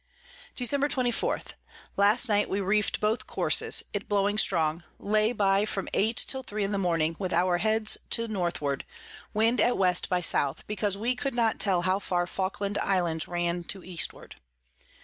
Dec. 24. Last night we reefed both Courses; it blowing strong, lay by from eight till three in the Morning, with our Heads to Northward, Wind at W by S. because we could not tell how far Falkland Islands ran to the Eastward.